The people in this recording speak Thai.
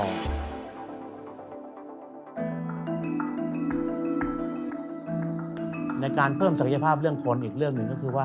ในการเพิ่มศักยภาพเรื่องคนอีกเรื่องหนึ่งก็คือว่า